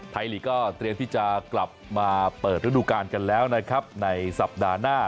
หลีกก็เตรียมที่จะกลับมาเปิดฤดูกาลกันแล้วนะครับในสัปดาห์หน้า